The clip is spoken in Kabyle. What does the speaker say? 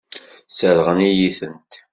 Sseṛɣen-iyi-tent.